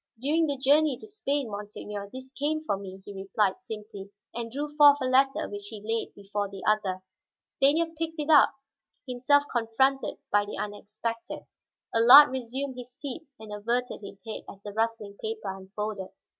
"During the journey to Spain, monseigneur, this came for me," he replied simply, and drew forth a letter which he laid before the other. Stanief picked it up, himself confronted by the unexpected. Allard resumed his seat and averted his head as the rustling paper unfolded.